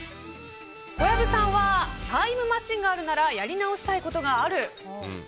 小籔さんはタイムマシンがあるならやり直したいことがある？